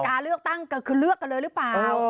การเลือกตั้งก็คือเลือกกันเลยหรือเปล่า